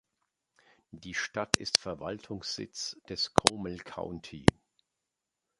Die Stadt ist Verwaltungssitz des Comal County.